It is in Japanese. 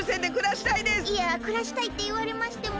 いやくらしたいっていわれましても。